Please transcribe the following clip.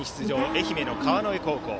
愛媛の川之江高校。